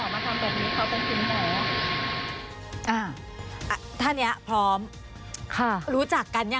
แล้วก็ตั้งแต่นั้นก็ไม่ไปเลย